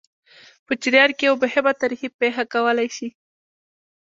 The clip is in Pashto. په جریان کې یوه مهمه تاریخي پېښه کولای شي.